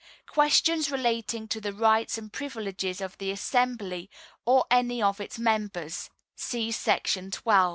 Questions relating to the Rights and Privileges of the Assembly or any of its Members ……………………………………..